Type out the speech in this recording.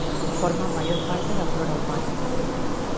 Forma a maior parte da flora humana.